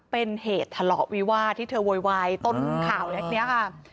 เป็นเหตุทะเลาะวิวาสที่เธอโวยวายต้นข่าวเล็กนี้ค่ะ